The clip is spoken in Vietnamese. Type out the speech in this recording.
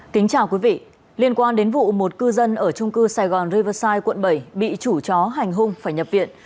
kính chào quý vị liên quan đến vụ một cư dân ở trung cư sài gòn reversite quận bảy bị chủ chó hành hung phải nhập viện